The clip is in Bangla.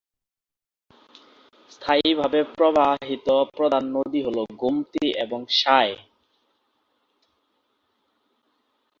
স্থায়ীভাবে প্রবাহিত প্রধান নদী হল গোমতী এবং সাঁই।